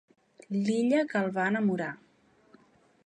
L'illa que el va enamorar.